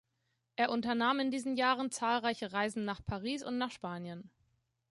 Er unternahm in diesen Jahren zahlreiche Reisen nach Paris und nach Spanien.